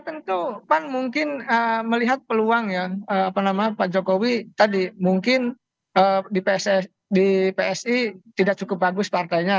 tentu pan mungkin melihat peluang ya apa namanya pak jokowi tadi mungkin di psi tidak cukup bagus partainya